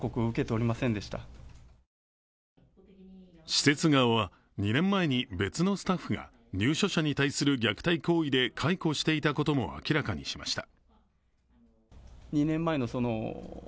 施設側は、２年前に別のスタッフが入所者に対する虐待行為で解雇していたことも明らかにしました。